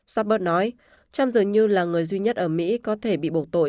sabat nói trump dường như là người duy nhất ở mỹ có thể bị bột tội